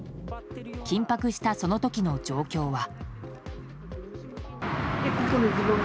緊迫したその時の状況は。